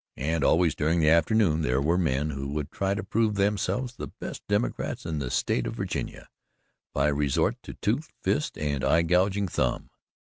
And always during the afternoon there were men who would try to prove themselves the best Democrats in the State of Virginia by resort to tooth, fist and eye gouging thumb.